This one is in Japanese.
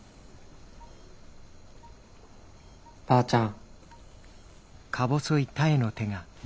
ばあちゃん。